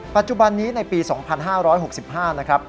ปัจจุบันนี้ในปี๒๕๖๕นะครับ